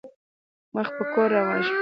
مخ په کور روان شوم.